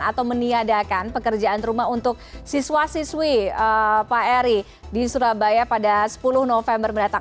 atau meniadakan pekerjaan rumah untuk siswa siswi pak eri di surabaya pada sepuluh november mendatang